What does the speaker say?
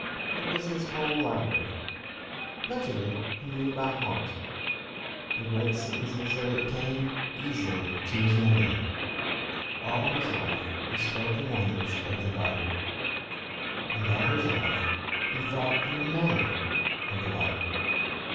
It was his whole library. Much of it he knew by heart. The great sentences of it came 236 CROMWELL easily to his memory. All his life, he spoke the language of the Bible. And all his life, he thought in the manner of the Bible.